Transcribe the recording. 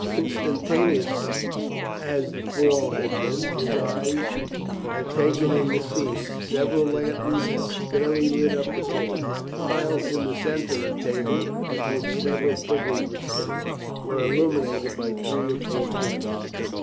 Instantaneous as the fall had been, his eyes had taken in the scene. Several lanterns faintly lit up the cave; while in the centre a table, at which several figures were sitting, was illuminated by three or four candles.